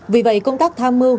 vì vậy công tác tham mưu